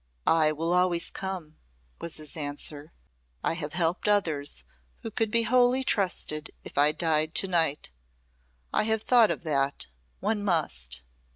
"I will always come," was his answer. "I have helpers who could be wholly trusted if I died to night. I have thought of that. One must."